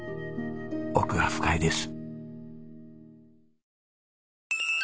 奥が深いです。